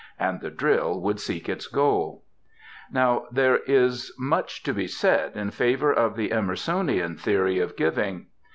And the drill would seek its goal. Now, there is much to be said in favour of the Emersonian theory of giving.